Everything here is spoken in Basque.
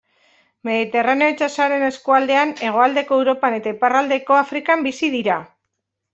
Mediterraneo itsasoaren eskualdean, hegoaldeko Europan eta iparraldeko Afrikan bizi dira.